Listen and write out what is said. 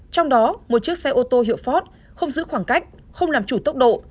trong đó một chiếc xe ô tô hiệu fort không giữ khoảng cách không làm chủ tốc độ